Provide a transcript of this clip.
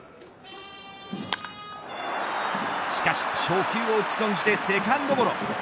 しかし、初球を打ち損じてセカンドゴロ。